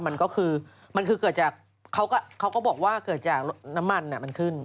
มันก็คือเขาก็บอกว่าเกิดจากน้ำมันอะมันขึ้น